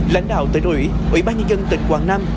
lãnh đạo tế đội ủy ủy ban nhân dân tịch quảng nam